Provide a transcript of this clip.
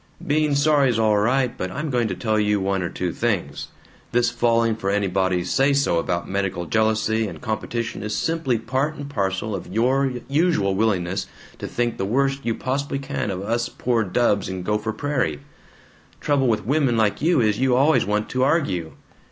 "Being sorry 's all right, but I'm going to tell you one or two things. This falling for anybody's say so about medical jealousy and competition is simply part and parcel of your usual willingness to think the worst you possibly can of us poor dubs in Gopher Prairie. Trouble with women like you is, you always want to ARGUE.